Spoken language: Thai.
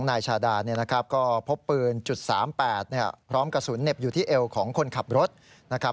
ครับส่วนทางด้านเรื่องของอาวุธปืนในรถของนายชาดา